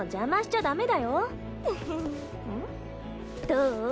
どう？